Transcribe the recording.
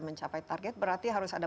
mencapai target berarti harus ada